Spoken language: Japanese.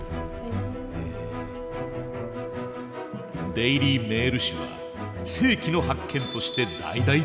「デイリー・メール」紙は世紀の発見として大々的に報じた。